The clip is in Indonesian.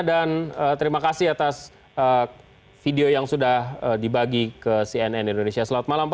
dan terima kasih atas video yang sudah dibagi ke cnn indonesia selamat malam